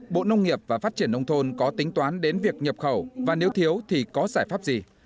bộ nông nghiệp và phát triển nông thôn có tính toán đến việc nhập khẩu và nếu thiếu thì có giải pháp gì